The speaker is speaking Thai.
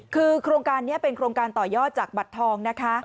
คือโครงการนี้เป็นโครงการต่อยอดจากบัตรทองนะคะ